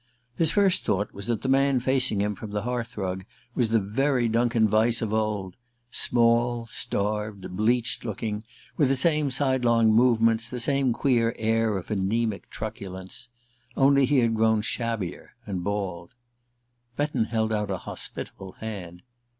His first thought was that the man facing him from the hearth rug was the very Duncan Vyse of old: small, starved, bleached looking, with the same sidelong movements, the same queer air of anaemic truculence. Only he had grown shabbier, and bald. Betton held out a hospitable hand.